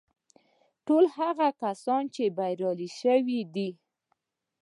ټول هغه کسان چې بريالي شوي دي.